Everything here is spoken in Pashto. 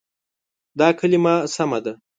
دا کلمه سمه ده.